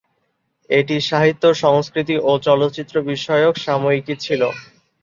এটি সাহিত্য-সংস্কৃতি ও চলচ্চিত্র বিষয়ক সাময়িকী ছিল।